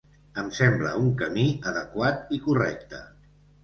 Em sembla un camí adequat i correcte.